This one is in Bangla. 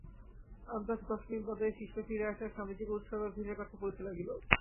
আন্দাজ দশ মিনিট বাদে শিষ্য ফিরিয়া আসিয়া স্বামীজীকে উৎসবের ভিড়ের কথা বলিতে লাগিল।